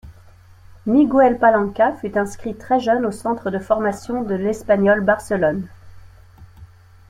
Miguel Palanca fut inscrit très jeune au centre de formation de l'Espanyol Barcelone.